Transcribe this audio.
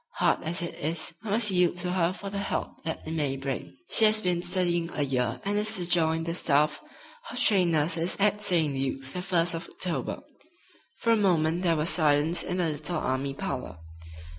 Hard as it is, I must yield to her for the help that it may bring. She has been studying a year and is to join the staff of trained nurses at St. Luke's the first of October." For a moment there was silence in the little army parlor.